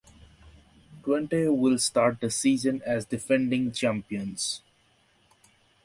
Twente will start the season as defending champions.